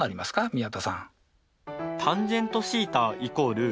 宮田さん。